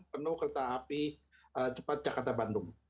penuh kereta api cepat jakarta bandung